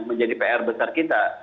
menjadi pr besar kita